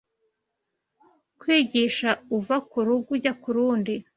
Kwigisha uva ku Rugo ujya ku Rundi